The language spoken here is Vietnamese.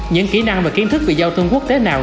những kỹ năng và kiến thức về giao thương quốc tế nào